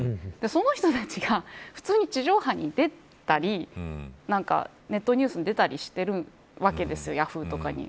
その人たちが普通に地上波に出たりネットニュースに出たりしているわけですよヤフーとかに。